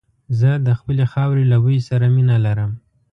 زه د خپلې خاورې له بوی سره مينه لرم.